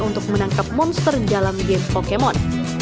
untuk menangkap monster di dalam game pokemon